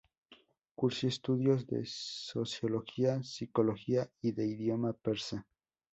Cursó estudios de sociología, psicología y de idioma persa.